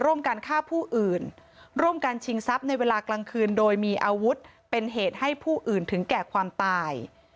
ร่วมกันฆ่าผู้อื่นร่วมกันชิงทรัพย์ในเวลากลางคืนโดยมีอาวุธเป็นเหตุให้ผู้อื่นถึงแก่ความตาย